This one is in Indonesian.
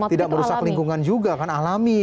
tidak merusak lingkungan juga kan alami